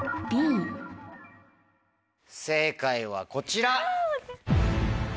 正解はこちら。